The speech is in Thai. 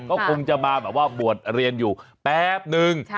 ก็คงจะมาบวชเรียนอยู่แป๊บนึง